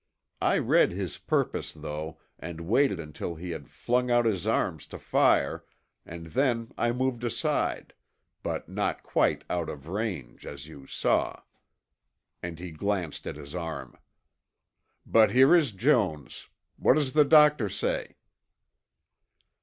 I read his purpose though and waited until he had flung out his arm to fire, and then I moved aside, but not quite out of range, as you saw," and he glanced at his arm. "But here is Jones. What does the doctor say?"